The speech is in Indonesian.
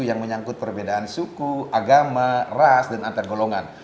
yang menyangkut perbedaan suku agama ras dan antargolongan